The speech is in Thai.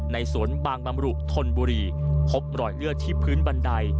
ในสวนบางบำรุธนบุรีพบรอยเลือดที่พื้นบันได